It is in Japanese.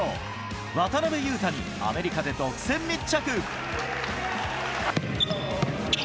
渡邊雄太にアメリカで独占密着。